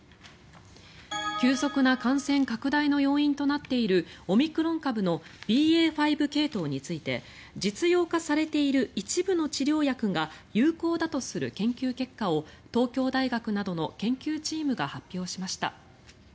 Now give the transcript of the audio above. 急速な感染拡大の要因となっているオミクロン株のＢＡ．５系統について実用化されている一部の治療薬が有効だとする研究結果を東京大学などの研究チームが発表しました。